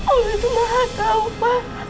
allah itu maha kau ma